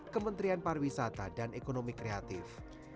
kementerian pariwisata dan ekonomi kreatif